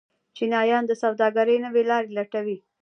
چینایان د سوداګرۍ نوې لارې لټوي.